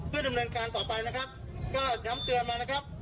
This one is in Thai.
เพื่อดำเนินการต่อไปนะครับก็ย้ำเตือนมานะครับ